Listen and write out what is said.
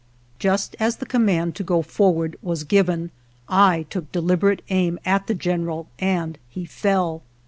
Just as the command to go forward was given I took deliberate aim at the general and he fell.